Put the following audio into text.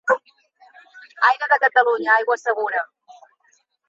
Aire de Catalunya, aigua segura.